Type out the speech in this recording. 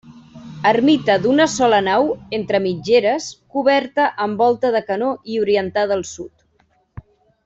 Ermita d'una sola nau, entre mitgeres, coberta amb volta de canó i orientada al sud.